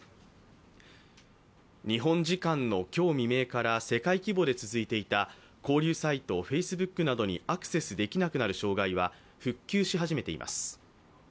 日本時間の今日未明から世界規模で続いていた交流サイト、Ｆａｃｅｂｏｏｋなどにアクセスできくなくなる障害は復旧し始めています。